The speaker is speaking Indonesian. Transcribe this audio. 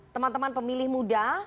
teman teman pemilih muda